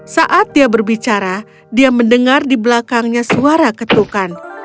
saat dia berbicara dia mendengar di belakangnya suara ketukan